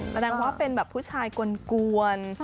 แสดงว่าเป็นผู้ชายกลวนกลวน